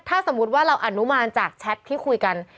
ถ้าสมมุติว่าเราอนุมานจากแชทที่คุยกัน